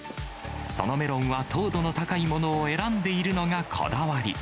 そのメロンは糖度の高いものを選んでいるのがこだわり。